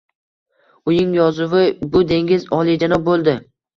Uning yozuvi, "Bu dengiz oliyjanob", bõldi